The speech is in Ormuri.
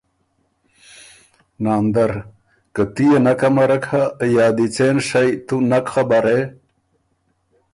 ناندر ـــ” که تُو يې نک امرک هۀ یا دی څېن شئ تُو نک خبر هې